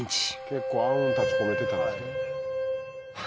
結構暗雲立ち込めてたんですね。